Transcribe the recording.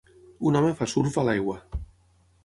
Un home fa surf a l'aigua.